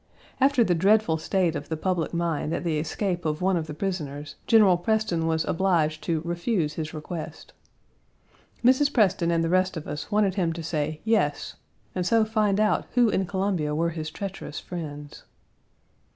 After the dreadful state of the public mind at the escape of one of the prisoners, General Preston was obliged to refuse his request. Mrs. Preston and the rest of us wanted him to say "Yes," and so find out who in Columbia were his treacherous friends.